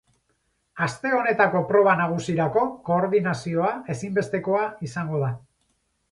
Aste honetako proba nagusirako koordinazioa ezinbestekoa izango da.